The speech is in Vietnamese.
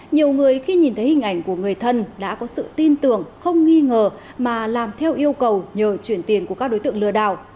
nhiều người khi nhìn thấy hình ảnh của người thân đã có sự tin tưởng không nghi ngờ mà làm theo yêu cầu nhờ chuyển tiền của các đối tượng lừa đảo